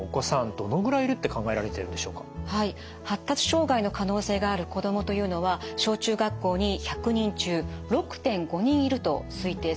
発達障害の可能性がある子どもというのは小中学校に１００人中６．５人いると推定されています。